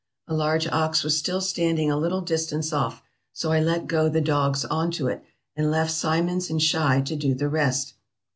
A large ox was still standing a little distance off, so I let go the dogs on to it, and left Simmons and Schei to do the rest.